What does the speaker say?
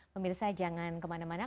pemirsa jangan kemana mana